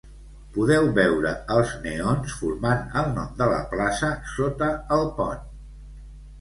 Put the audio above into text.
Podeu veure els neons formant el nom de la plaça sota el pont.